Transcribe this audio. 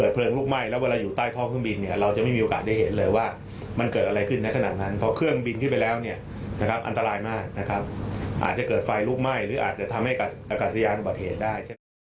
เพราะเครื่องบินที่ไปแล้วอันตรายมากอาจจะเกิดไฟลุกไหม้หรืออาจจะทำให้อากาศยานบัดเหตุได้